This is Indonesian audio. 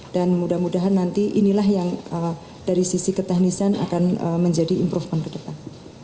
dan mudah mudahan nanti inilah yang dari sisi keteknisian akan menjadi improvement ke depan